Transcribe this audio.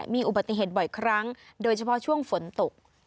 มีอุบัติเหตุบ่อยครั้งโดยเฉพาะช่วงฝนตก